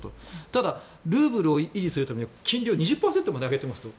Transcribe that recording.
ただ、ルーブルを維持するために金利を２０％まで上げてますと。